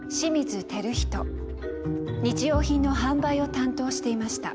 日用品の販売を担当していました。